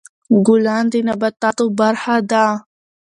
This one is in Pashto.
ګلان د نباتاتو برخه ده.